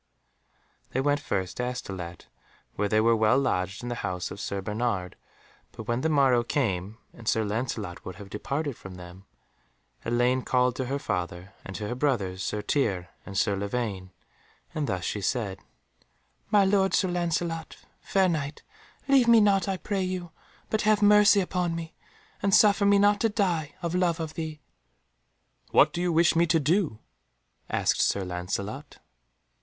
They went first to Astolat, where they were well lodged in the house of Sir Bernard, but when the morrow came, and Sir Lancelot would have departed from them, Elaine called to her father and to her brothers Sir Tirre and Sir Lavaine, and thus she said— "My lord Sir Lancelot, fair Knight, leave me not, I pray you, but have mercy upon me, and suffer me not to die of love of thee." "What do you wish me to do?" asked Sir Lancelot.